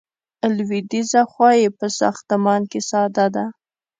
لویدیځه خوا یې په ساختمان کې ساده ده.